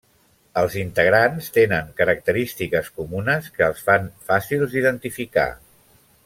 Els integrants tenen característiques comunes que els fan fàcils d'identificar.